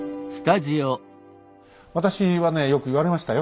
私はねよく言われましたよ